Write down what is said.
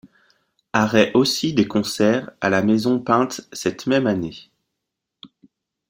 Arrêt aussi des concert à La Maison Peinte cette même année.